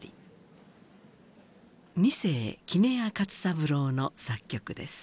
二世杵屋勝三郎の作曲です。